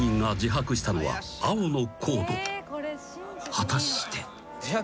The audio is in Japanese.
［果たして］